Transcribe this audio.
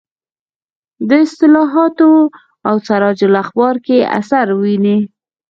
د اصلاحاتو او سراج الاخبار کې اثر ویني.